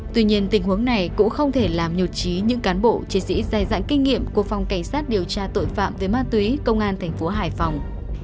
tuy nhiên tình huống này cũng không thể làm nhột trí những cán bộ chiến sĩ dài dạng kinh nghiệm của phòng cảnh sát điều tra tội phạm về ma túy công an thành phố hải phòng